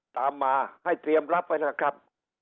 ตามมาให้เตรียมรับไว้นะครับ